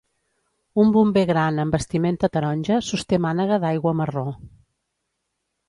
Un bomber gran amb vestimenta taronja sosté mànega d'aigua marró.